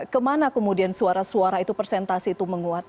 kemana kemudian suara suara itu presentasi itu menguat